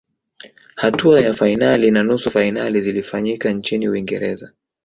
hatua ya fainali na nusu fainali zilifanyika nchini uingereza